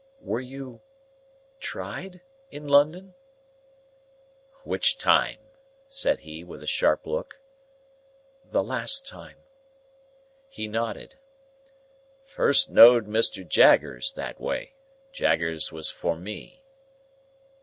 "Were you—tried—in London?" "Which time?" said he, with a sharp look. "The last time." He nodded. "First knowed Mr. Jaggers that way. Jaggers was for me."